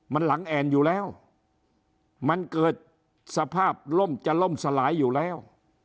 มันหลังแอ่นอยู่แล้วมันเกิดสภาพล่มจะล่มสลายอยู่แล้ว